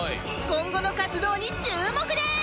今後の活動に注目です